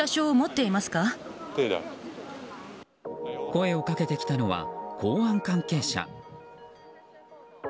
声をかけてきたのは公安関係者。